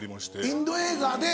インド映画で。